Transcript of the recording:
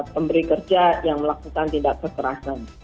pemberi kerja yang melakukan tindak kekerasan